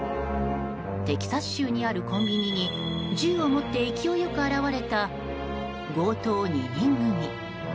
テキサス州にあるコンビニに銃を持って勢いよく現れた強盗２人組。